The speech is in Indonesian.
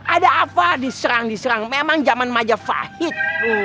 ada apa diserang diserang memang zaman majafahit tuh